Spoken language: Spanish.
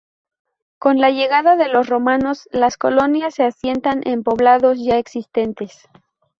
Con la llegada de los romanos las colonias se asientan en poblados ya existentes.